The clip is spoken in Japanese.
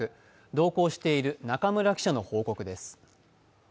同行している中村記者の報告です。